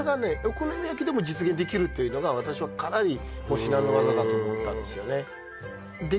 お好み焼きでも実現できるというのが私はかなり至難の業だと思ったんですよね